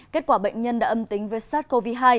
kết quả bệnh nhân đã âm tính với sars cov hai